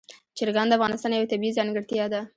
چرګان د افغانستان یوه طبیعي ځانګړتیا ده.